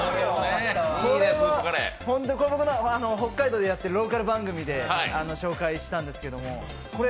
これは本当に北海道でやってるローカル番組で紹介したんですけれども、これ、